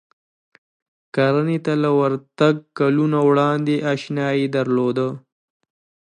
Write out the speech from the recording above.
کرنې ته له ورتګ کلونه وړاندې اشنايي درلوده.